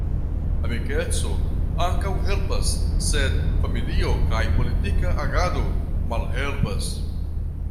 Amikeco ankaŭ helpas, sed familio kaj politika agado malhelpas.